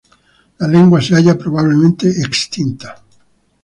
La lengua se halla probablemente extinta.